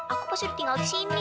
aku pas udah tinggal di sini